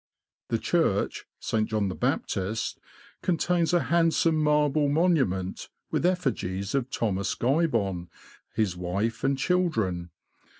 The church (St. John the Baptist) contains a hand some marble monument, with effigies of Thomas Guybon, his wife and children.